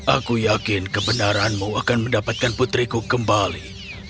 aku yakin kebenaranmu akan mendapatkan putriku kembali